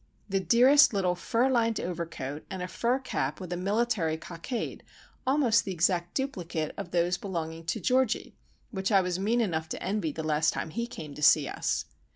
The dearest little fur lined overcoat, and a fur cap with a military cockade, almost the exact duplicate of those belonging to Georgie which I was mean enough to envy the last time he came to see us!